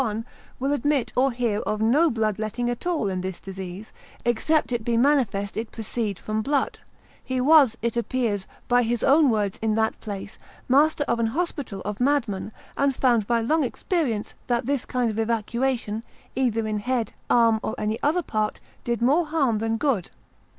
1, will admit or hear of no bloodletting at all in this disease, except it be manifest it proceed from blood: he was (it appears) by his own words in that place, master of an hospital of mad men, and found by long experience, that this kind of evacuation, either in head, arm, or any other part, did more harm than good.